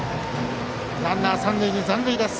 ランナーは三塁に残塁です。